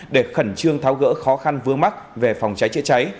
để khẩn trương tháo gỡ khó khăn vướng mắc về phòng cháy chữa cháy